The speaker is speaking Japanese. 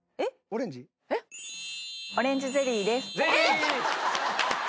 オレンジゼリーです。